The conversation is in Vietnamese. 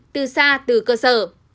từ xa từ cơ sở